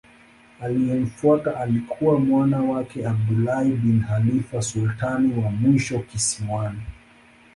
Aliyemfuata alikuwa mwana wake Abdullah bin Khalifa sultani wa mwisho kisiwani.